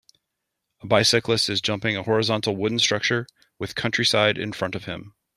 A bicyclist is jumping a horizontal wooden structure with countryside in front of him.